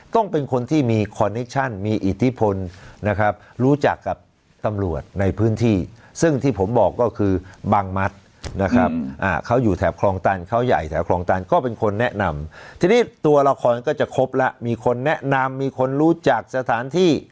ตำรวจในพื้นที่ซึ่งที่ผมบอกก็คือบังมัดนะครับอ่าเขาอยู่แถบคลองตันเขาใหญ่แถบคลองตันก็เป็นคนแนะนำทีนี้ตัวละครก็จะครบละมีคนแนะนำมีคนรู้จักสถานที่